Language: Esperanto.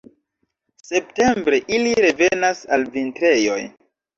Septembre ili revenas al vintrejoj.